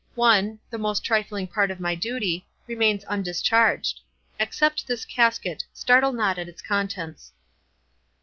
One, the most trifling part of my duty, remains undischarged. Accept this casket—startle not at its contents."